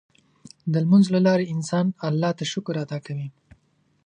د لمونځ له لارې انسان الله ته شکر ادا کوي.